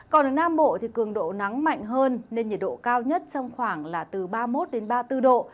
còn ở nam bộ cường độ nắng mạnh hơn nên nhiệt độ cao nhất trong khoảng là từ ba mươi một đến ba mươi bốn độ